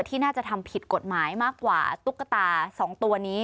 ที่น่าจะทำผิดกฎหมายมากกว่าตุ๊กตา๒ตัวนี้